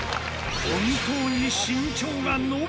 本当に身長が伸びた！